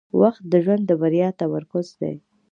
• وخت د ژوند د بریا تمرکز دی.